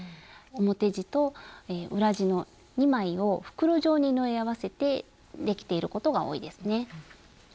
表地と裏地の２枚を袋状に縫い合わせてできていることが多いですね。